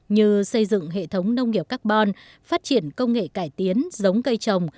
như xây dựng hệ thống nông nghiệp carbon phát triển công nghệ cải tiến giống cây trồng